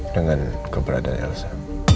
dengan keberadaan elsa